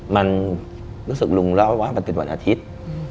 มันรู้สึกลุงเล่าว่ามันเป็นวันอาทิตย์